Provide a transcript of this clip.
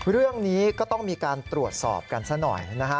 เรื่องนี้ก็ต้องมีการตรวจสอบกันซะหน่อยนะฮะ